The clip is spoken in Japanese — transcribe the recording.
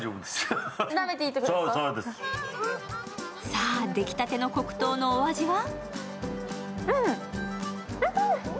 さぁ、出来たての黒糖のお味は？